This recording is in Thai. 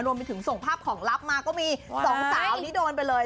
รวมไปถึงส่งภาพของลับมาก็มีสองสาวนี่โดนไปเลย